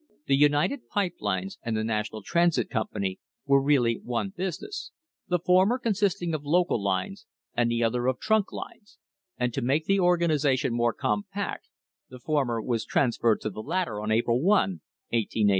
The United Pipe THE FIGHT FOR THE SEABOARD PIPE LINE Lines and the National Transit Company were really one business, the former consisting of local lines and the other of trunk lines, and to make the organisation more compact the former was transferred to the latter on April i, 1884.